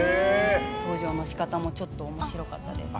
登場のしかたもちょっとおもしろかったです。